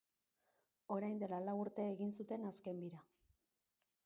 Orain dela lau urte egin zuten azken bira.